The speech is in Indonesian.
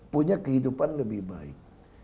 punya kehidupan lebih baik